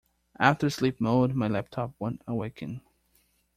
After sleep mode, my laptop won't awaken.